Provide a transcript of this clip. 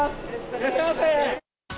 いらっしゃいませ。